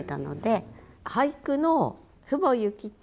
俳句の「父母逝きて」